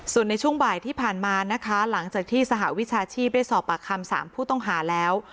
ส่วนในช่วงบ่ายที่ผ่านมานะคะหลังจากที่สหวิชาชีพได้สอบปากคำ๓ผู้ต้องหาแล้ว